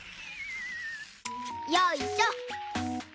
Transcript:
よいしょ！